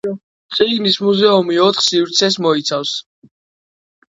წიგნის მუზეუმი ოთხ სივრცეს მოიცავს.